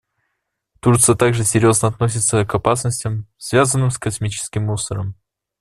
Турция также серьезно относится к опасностям, связанным с космическим мусором.